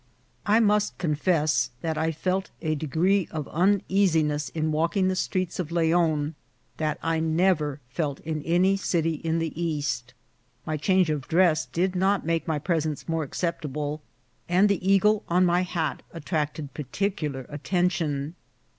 I must confess that I felt a degree of uneasiness in walking the streets of Leon that I never felt in any city in the East. My change of dress did not make my presence more acceptable, and the eagle on my hat at tracted particular attention.